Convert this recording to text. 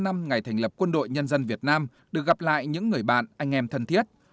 bảy mươi năm ngày thành lập quân đội nhân dân việt nam được gặp lại những người bạn anh em thân thiết